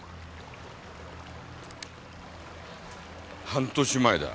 半年前だ。